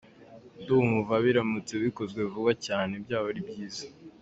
Ndumva biramutse bikozwe vuba cyane byaba ari byiza.